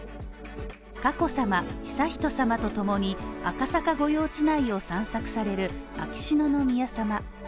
佳子さま、悠仁さまとともに赤坂ご用地内を散策される秋篠宮さま